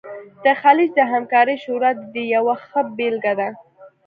د خلیج د همکارۍ شورا د دې یوه ښه بیلګه ده